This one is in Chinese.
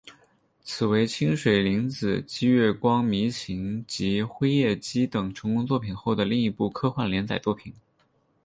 此为清水玲子继月光迷情及辉夜姬等成功作品后的另一部科幻连载作品。